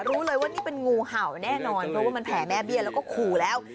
รู้เลยว่านี่เป็นงูเห่าแน่นอนเพราะว่ามันแผลแม่เบี้ยแล้วก็ขู่แล้ว